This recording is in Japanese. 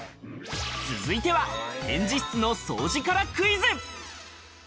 続いては展示室の掃除からクイズ。